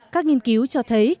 các nghiên cứu cho thấy